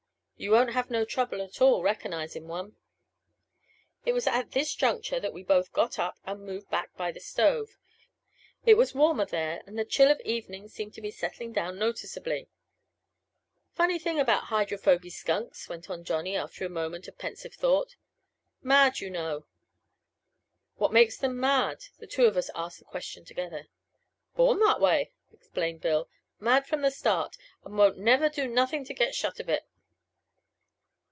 You won't have no trouble at all recognizin' one." It was at this juncture that we both got up and moved back by the stove. It was warmer there and the chill of evening seemed to be settling down noticeably. "Funny thing about Hydrophoby Skunks," went on Johnny after a moment of pensive thought "mad, you know!" "What makes them mad?" The two of us asked the question together. "Born that way!" explained Bill "mad from the start, and won't never do nothin' to get shut of it."